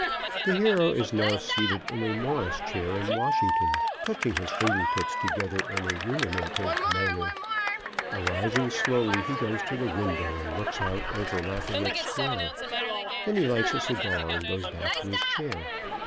_) The hero is now seen seated in a Morris chair in Washington, touching his finger tips together in a ruminative manner. Arising slowly, he goes to the window and looks out over Lafayette Square. Then he lights a cigar and goes back to his chair.